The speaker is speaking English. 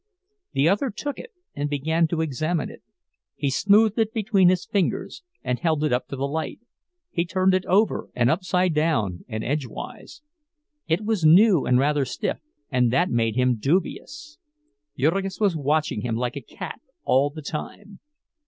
The other took it, and began to examine it; he smoothed it between his fingers, and held it up to the light; he turned it over, and upside down, and edgeways. It was new and rather stiff, and that made him dubious. Jurgis was watching him like a cat all the time.